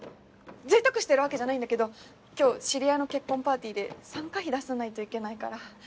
贅沢してるわけじゃないんだけど今日知り合いの結婚パーティーで参加費出さないといけないから。